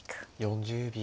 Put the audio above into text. ４０秒。